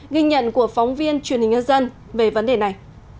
ghi nhận của phóng viên truyền hình nhân dân về vấn đề này